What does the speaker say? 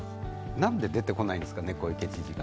なんで出てこないんですかね、小池知事が。